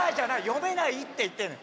読めないって言ってんの。